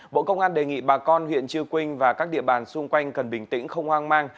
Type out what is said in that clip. bộ công an đề nghị bà con huyện chư quynh và các địa bàn xung quanh cần bình tĩnh không hoang mang